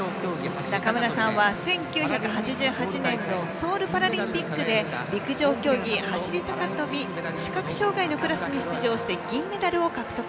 中村さんは、１９８８年のソウルパラリンピックで陸上競技、走り高跳び視覚障害のクラスに出場して銀メダルを獲得。